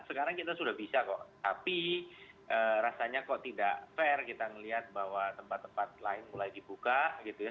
sekarang kita sudah bisa kok tapi rasanya kok tidak fair kita melihat bahwa tempat tempat lain mulai dibuka gitu ya